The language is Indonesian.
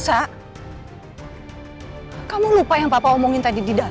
sa kamu lupa yang papa omongin tadi di dalam